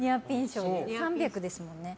３００ですもんね。